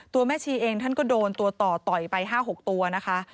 แม่ชีเองท่านก็โดนตัวต่อต่อยไป๕๖ตัวนะคะ